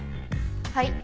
はい。